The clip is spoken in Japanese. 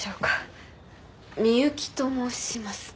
深雪と申します。